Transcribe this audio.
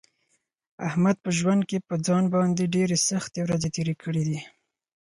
احمد په ژوند کې په ځان باندې ډېرې سختې ورځې تېرې کړې دي.